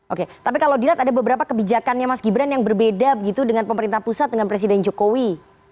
oke tapi kalau dilihat ada beberapa kebijakannya mas gibran yang berbeda begitu dengan pemerintah pusat dengan presiden jokowi